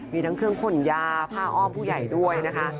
มีทั้งเครื่องขนยาผ้าอ้อมผู้ใหญ่ด้วยนะคะ